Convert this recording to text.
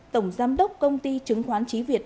tổng giám đốc công ty chứng khoán chí việt